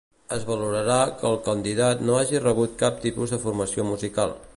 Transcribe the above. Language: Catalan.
Es valorarà que el candidat no hagi rebut cap tipus de formació musical.